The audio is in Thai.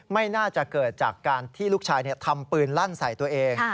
ไม่น่าจะเกิดจากการที่ลูกชายทำปืนลั่นใส่ตัวเอง